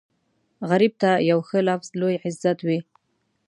غریب ته یو ښه لفظ لوی عزت وي